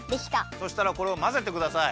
そしたらこれをまぜてください。